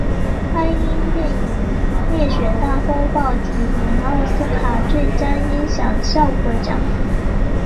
他因电影烈血大风暴提名奥斯卡最佳音响效果奖。